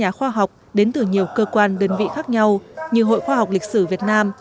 các nhà khoa học đến từ nhiều cơ quan đơn vị khác nhau như hội khoa học lịch sử việt nam